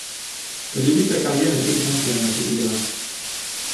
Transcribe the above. Le début de sa carrière est exemplaire à cet égard.